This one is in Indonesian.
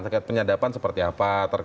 terkait penyadapan seperti apa